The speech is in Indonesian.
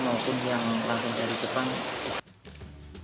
maupun yang langsung dari jepang